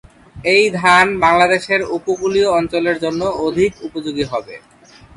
এই ধান বাংলাদেশের উপকূলীয় অঞ্চলের জন্য অধিক উপযোগী হবে।